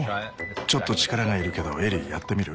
ちょっと力がいるけどエリーやってみる？